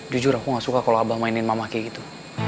jujur aku gak suka kalau abah mainin mama kayak gitu